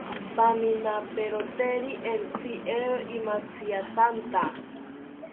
Paminaperoteri entzi, eero imantziatanta